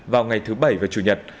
vào ngày thứ bảy vào chủ nhật